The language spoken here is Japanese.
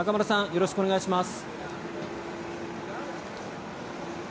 よろしくお願いします。